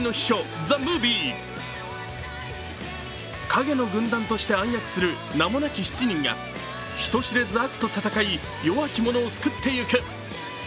影の軍団として暗躍する名もなき７人が、人知れず悪と戦い弱き者を救っていく。